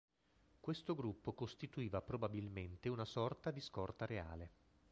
Questo gruppo costituiva probabilmente una sorta di scorta reale.